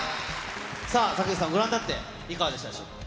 さあ、坂口さん、ご覧になっていかがでしたか。